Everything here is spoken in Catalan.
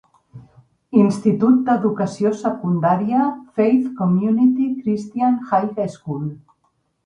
Institut d'educació secundària Faith Community Christian High School.